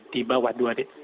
di bawah dua ribu